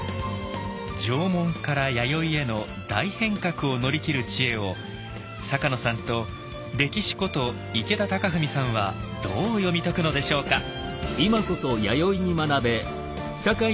縄文から弥生への大変革を乗り切る知恵を坂野さんとレキシこと池田貴史さんはどう読み解くのでしょうか。